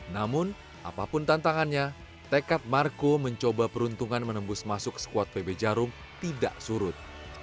namun apapun tantangannya tekad marco mencoba peruntungan menembus masuk skuad pb jarum tidak surut